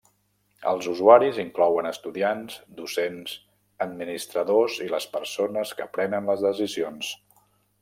Els usuaris inclouen estudiants, docents, administradors i les persones que prenen les decisions.